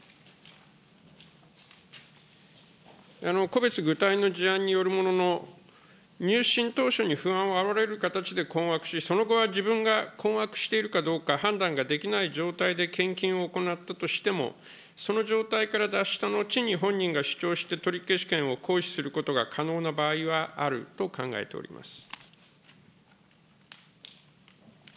個別具体の事案によるものの、入信当初に不安をあおられる形で困惑し、その後は自分が困惑しているかどうか判断ができない状態で献金を行ったとしても、その状態から脱した後に本人が主張して取消権を行使することが可能な場合はあると考えております。